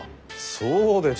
そうです。